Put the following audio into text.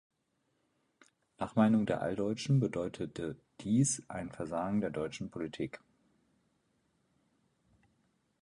Nach Meinung der Alldeutschen bedeutete dies ein Versagen der deutschen Politik.